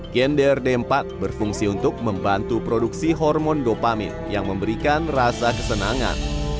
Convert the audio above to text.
gender d empat berfungsi untuk membantu produksi hormon dopamin yang memberikan rasa kesenangan